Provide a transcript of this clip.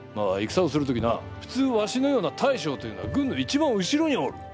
戦をする時なふつうわしのような大将というのは軍の一番後ろにおる。